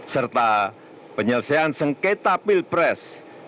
serta penyelesaian sengketa pilpres